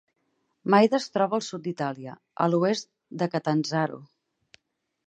Maida es troba al sud d'Itàlia, a l'oest de Catanzaro.